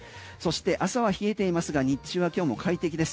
そして朝は冷えてますが日中は今日も快適です。